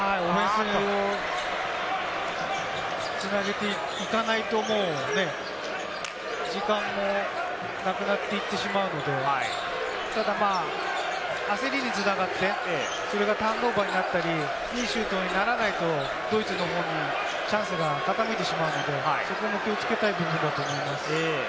オフェンスに繋げていかないと、もうね時間もなくなっていってしまうので、ただ焦りに繋がって、それがターンオーバーになったり、いいシュートにならないと、ドイツのほうにチャンスが傾いてしまうので、そこは気をつけたい部分だと思います。